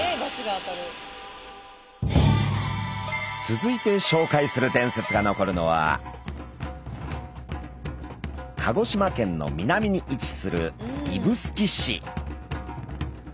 続いてしょうかいする伝説が残るのは鹿児島県の南に位置する指宿市。